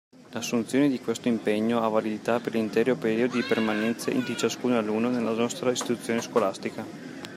L’assunzione di questo impegno ha validità per l’intero periodo di permanenza di ciascun alunno nella nostra istituzione scolastica.